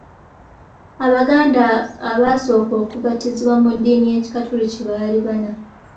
Abaganda abaasooka okubatizibwa mu ddiini y’ekikatoliki baali bana.